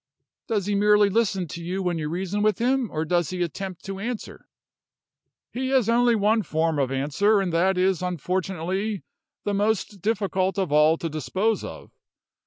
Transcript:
"Does he merely listen to you when you reason with him, or does he attempt to answer?" "He has only one form of answer, and that is, unfortunately, the most difficult of all to dispose of.